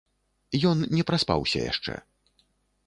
Ён не праспаўся яшчэ.